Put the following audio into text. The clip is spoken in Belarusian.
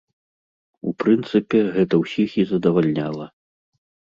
У прынцыпе, гэта ўсіх і задавальняла.